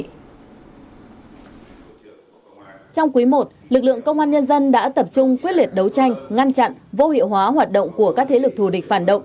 trong quý i lực lượng công an nhân dân đã tập trung quyết liệt đấu tranh ngăn chặn vô hiệu hóa hoạt động của các thế lực thù địch phản động